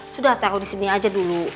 sudah tahu di sini aja dulu